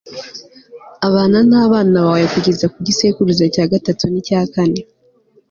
abana n'abana bawe kugeza ku gisekuru cya gatatu n'icya kane